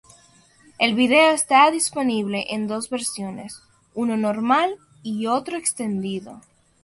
El vídeo está disponible en dos versiones, uno normal y otro extendido.